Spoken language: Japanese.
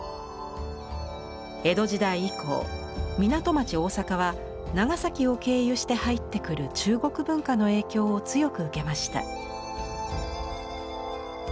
江戸時代以降港町・大阪は長崎を経由して入ってくる中国文化の影響を強く受けました。